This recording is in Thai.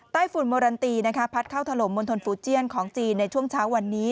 ใต้ฝุ่นมรณตีนะคะพัดเข้าถลมมนตรฟูเจียนของจีนในช่วงเช้าวันนี้